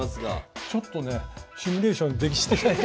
ちょっとねシミュレーションしてないから。